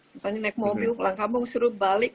misalnya naik mobil pulang kampung suruh balik